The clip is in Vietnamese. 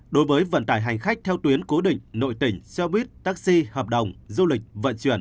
đối với vận tải hành khách theo tuyến cố định nội tỉnh xe buýt taxi hợp đồng du lịch vận chuyển